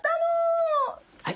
はい。